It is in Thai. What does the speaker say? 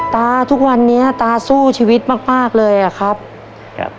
ตาทุกวันนี้ตาสู้ชีวิตมากมากเลยอ่ะครับครับ